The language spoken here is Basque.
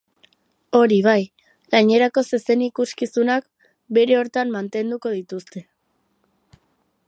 Hori bai, gainerako zezen-ikuskizunak bere horretan mantenduko dituzte.